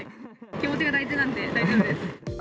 気持ちが大事なんで、大丈夫です。